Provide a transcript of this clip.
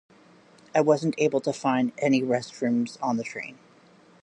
I wasn't able to find any restrooms on the train.